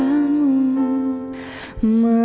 kamu ada di jakarta kan